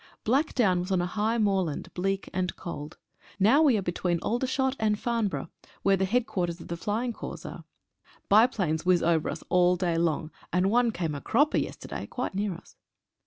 Blackdown was on a high moor land, bleak and cold. Now we are between Aldershot and Farnborough, where the Headquarters of the Flying Corps are. Biplanes whiz over us all day long, and one came a cropper yesterday quite near us.